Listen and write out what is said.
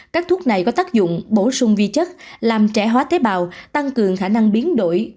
các thuốc này có tác dụng bổ sung vi chất làm trẻ hóa tế bào tăng cường khả năng biến đổi